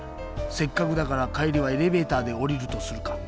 せっかくだからかえりはエレベーターでおりるとするか。